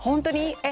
えっ？